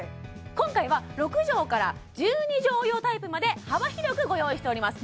今回は６畳から１２畳用タイプまで幅広くご用意しております